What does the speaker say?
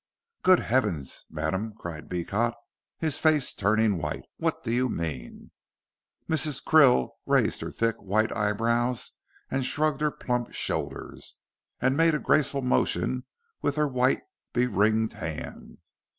"Good heavens, madam," cried Beecot, his face turning white, "what do you mean?" Mrs. Krill raised her thick white eyebrows, and shrugged her plump shoulders, and made a graceful motion with her white, be ringed hand.